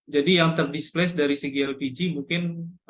jadi yang ter displace dari segi lpg mungkin